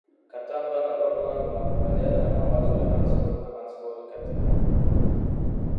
Katamba na Rottland wanakubaliana na mawazo ya Hansford na Hansford katika